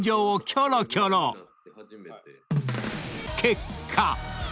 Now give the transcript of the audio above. ［結果］